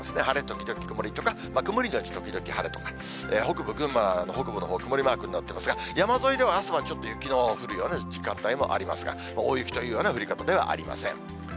晴れ時々曇りとか、曇り後時々晴れとか、群馬の北部のほう曇りマークになってますが、山沿いでは朝晩、ちょっと雪の降るような時間帯もありますが、大雪というような降り方ではありません。